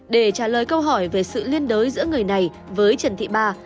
để trả lời câu hỏi về sự liên đối giữa người này với trần thị ba